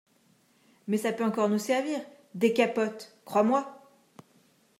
Mais ça peut encore nous servir, des capotes, crois-moi !